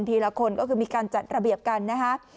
ละคนก็คือมีการจัดระเบียบกันนะคะ